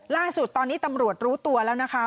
ล่าสุดตอนนี้ตำรวจรู้ตัวแล้วนะคะ